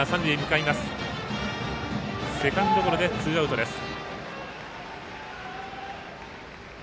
セカンドゴロでツーアウトです。